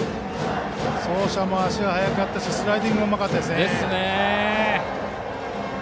走者も足が速かったしスライディングもうまかったですね。